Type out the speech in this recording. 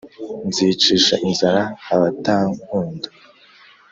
Nzicisha inzara abatankunda